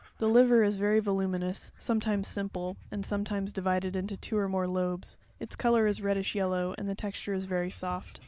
The liver is very voluminous, sometimes simple, and sometimes di vided into two or more lobes: its colour is reddish yellow, and its texture very sofi.